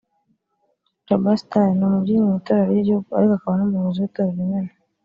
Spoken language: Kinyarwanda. Jaba Star ni umubyinnyi mu itorero ry’igihugu ariko akaba n’umuyobozi w’itorero Imena